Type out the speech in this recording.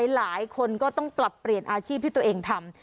หลายคนก็ต้องปรับเปลี่ยนอาชีพที่ตัวเองทำ